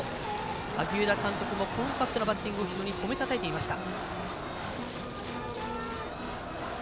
萩生田監督もコンパクトなバッティングを非常に褒め称えていました。